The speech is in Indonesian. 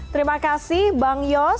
terima kasih bang yos